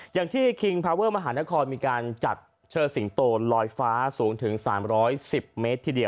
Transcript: อย่างที่ครีมพัลเวอร์มหานครมากมายีการจัดเลือดเชอศิงโตนลอยฟ้าสูงถึง๓๑๐เมตรเท่าทีเดียว